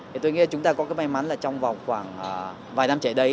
thì tôi nghĩ là chúng ta có cái may mắn là trong vòng khoảng vài năm trễ đấy